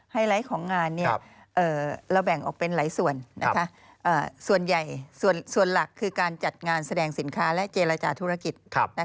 ไลท์ของงานเราแบ่งออกเป็นหลายส่วนส่วนใหญ่ส่วนหลักคือการจัดงานแสดงสินค้าและเจรจาธุรกิจ